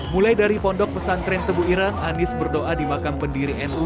mulai dari pondok pesantren tebu irang anies berdoa di makam pendiri nu